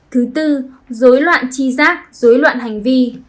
thứ tư dối loạn chi giác dối loạn hành vi